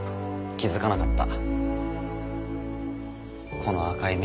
気付かなかった。